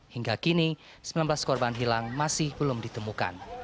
hingga kini sembilan belas korban hilang masih belum ditemukan